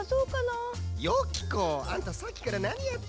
あんたさっきからなにやってるのよ。